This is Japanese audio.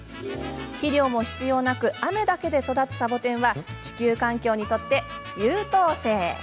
肥料も必要なく雨だけで育つサボテンは地球環境にとって優等生。